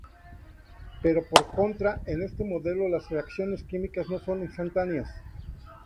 Pero por contra en este modelo las reacciones químicas no son instantáneas.